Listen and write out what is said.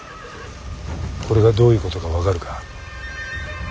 これがどういうことか分かるか。